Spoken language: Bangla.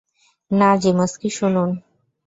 না, যিমস্কি, শুনুন!